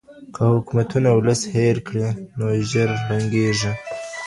که حکومتونه ولس هېر کړي نو ژر ړنګيږي.